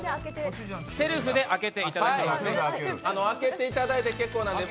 セルフで開けていただいて結構です。